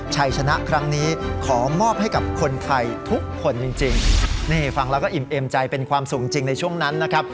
ชัยชนะครั้งนี้ขอมอบให้กับคนไทยทุกคนจริงนี่ฟังแล้วก็อิ่มเอ็มใจเป็นความสุขจริงในช่วงนั้นนะครับ